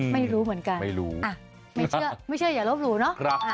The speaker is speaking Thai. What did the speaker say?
ไม่รู้เหมือนกันไม่รู้ไม่เชื่อไม่เชื่ออย่าลบหลู่เนอะ